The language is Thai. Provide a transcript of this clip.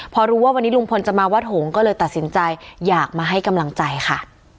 พอรู้ว่าวันนี้ลุงพลจะมาวัดหงษ์ก็เลยตัดสินใจอยากมาให้กำลังใจค่ะ